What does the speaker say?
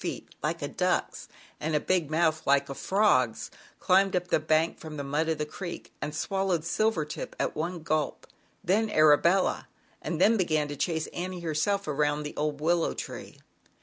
67 feet like a duck's and a big mouth like a frog's, climbed up the bank from the mud of the creek and swallowed Silver tip at one gulp, then Arabella, and then began to chase Annie, herself, around old willow tree.